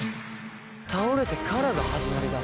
倒れてからが始まりだ。